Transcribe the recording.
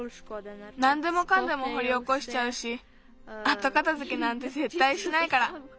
なんでもかんでもほりおこしちゃうしあとかたづけなんてぜったいしないから。